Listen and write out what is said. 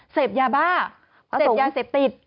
เสพยาบ้าเสพติด